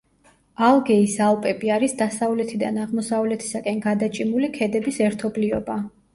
ალგეის ალპები არის დასავლეთიდან აღმოსავლეთისაკენ გადაჭიმული ქედების ერთობლიობა.